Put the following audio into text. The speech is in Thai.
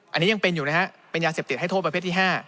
อันนี้ยังเป็นอยู่นะฮะเป็นยาเสพติดให้โทษประเภทที่๕